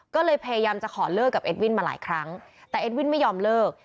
ก็เลยพยายามจะขอเลิกกับเอ็ดวินมาหลายครั้งแต่เอ็ดวินไม่ยอมเลิก